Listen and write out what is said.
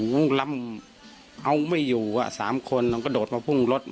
หนูล้ำเอาไม่อยู่สามคนก็โดดมาพุ่งรถ